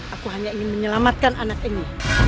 aku hanya ingin menyelamatkan anak ini